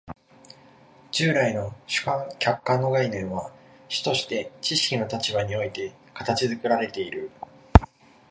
従来の主観・客観の概念は主として知識の立場において形作られている。